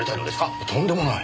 とんでもない。